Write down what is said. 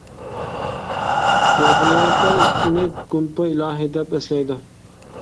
ياپونىيەلىكلەر ئۇنى گۇمپا ئىلاھى، دەپ ئەسلەيدۇ.